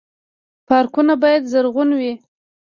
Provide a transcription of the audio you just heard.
پارکونه باید زرغون وي